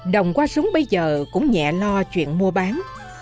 đồng qua súng bây giờ cũng nhẹ lo chuyện mua bán